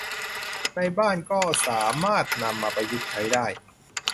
ในบ้านก็สามารถนำมาประยุกต์ใช้ได้